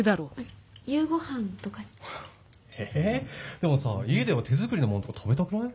でもさ家では手作りのもんとか食べたくない？